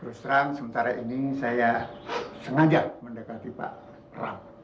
terus terang sementara ini saya sengaja mendekati pak ram